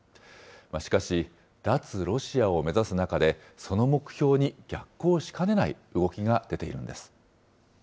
しかし、脱ロシアを目指す中で、その目標に逆行しかねない動きが出ているんです。